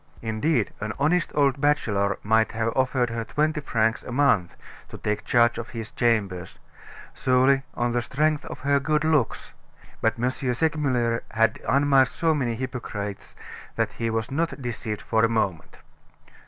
Indeed, an honest old bachelor might have offered her twenty francs a month to take charge of his chambers solely on the strength of her good looks. But M. Segmuller had unmasked so many hypocrites that he was not deceived for a moment.